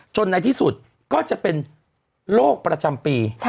ในที่สุดก็จะเป็นโรคประจำปี